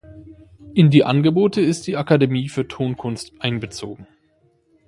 In die Angebote ist die Akademie für Tonkunst einbezogen.